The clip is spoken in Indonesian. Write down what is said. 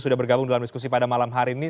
sudah bergabung dalam diskusi pada malam hari ini